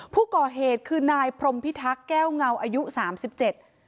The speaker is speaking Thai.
ผู้ก่อเหตุคือนายพรมพิทักษ์แก้วเงาอายุ๓๗น